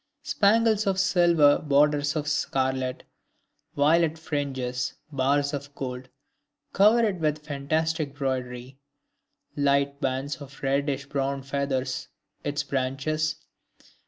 Spangles of silver, borders of scarlet, violet fringes, bars of gold, cover it with fantastic broidery. Light bands of reddish brown feather its branches.